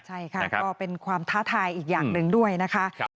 ใช่ค่ะก็เป็นความท้าทายอีกอย่างหนึ่งด้วยนะคะ